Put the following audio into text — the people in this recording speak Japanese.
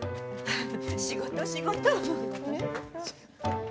仕事仕事。